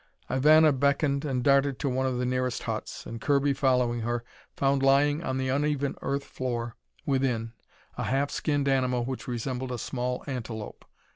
Ivana beckoned and darted to one of the nearest huts, and Kirby, following her, found lying on the uneven earth floor within, a half skinned animal which resembled a small antelope.